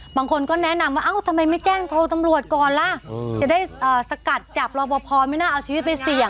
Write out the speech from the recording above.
บางคนก็แนะนำว่าเอ้าทำไมไม่แจ้งโทรตำรวจก่อนล่ะจะได้สกัดจับรอบพอไม่น่าเอาชีวิตไปเสี่ยง